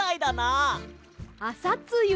あさつゆ。